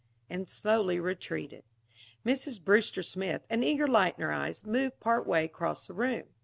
And slowly retreated. Mrs. Brewster Smith, an eager light in her eyes, moved part way across the room.